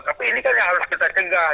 tapi ini kan yang harus kita cegah